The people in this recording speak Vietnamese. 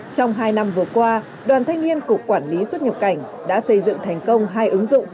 trong hai năm vừa qua đoàn thanh niên cục quản lý xuất nhập cảnh đã xây dựng thành công hai ứng dụng